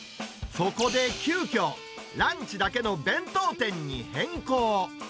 そこで急きょ、ランチだけの弁当店に変更。